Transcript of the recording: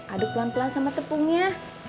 aduk pelan pelan sama tepungnya